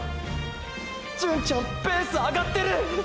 純ちゃんペース上がってる！！